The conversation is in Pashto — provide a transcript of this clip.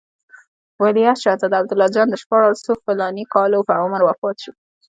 ولیعهد شهزاده عبدالله جان د شپاړسو فلاني کالو په عمر وفات شو.